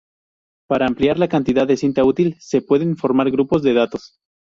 Para ampliar la cantidad de cinta útil se pueden formar grupos de datos.